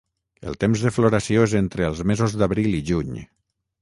El temps de floració és entre els mesos d'abril i juny.